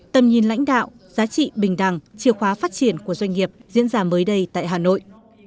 tầm nhìn lãnh đạo giá trị bình đẳng chìa khóa phát triển của doanh nghiệp diễn ra mới đây tại hà nội